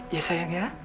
ya sayang ya